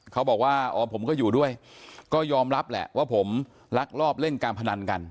เขาบอกว่าอ๋อผมก็อยู่ด้วยก็ยอมรับแหละว่าผมลักลอบเล่นการพนันกัน